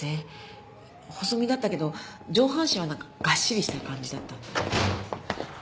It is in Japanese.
細身だったけど上半身はなんかがっしりしてる感じだった。